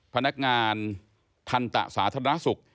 พนักงานทันตะสาธารณสุข